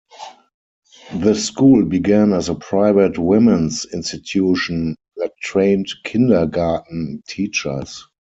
The school began as a private women's institution that trained kindergarten teachers.